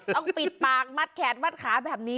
ต้องปิดปากมัดแขนมัดขาแบบนี้